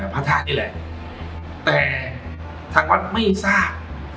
พระอาทาตินี่แหละแต่ทางวัดไม่ทราบเนี้ย